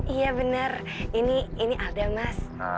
iya bener ini alda mas